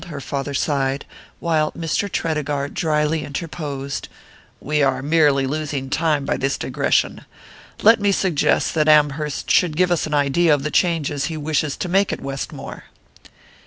her father sighed, while Mr. Tredegar drily interposed: "We are merely losing time by this digression. Let me suggest that Amherst should give us an idea of the changes he wishes to make at Westmore."